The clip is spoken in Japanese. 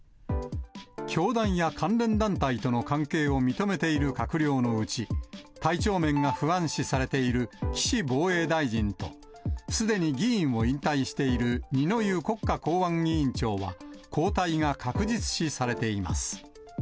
教団や関連団体との関係を認めている閣僚のうち、体調面が不安視されている岸防衛大臣と、すでに議員を引退している二之湯国家公安委員長は、交代が確実視されています。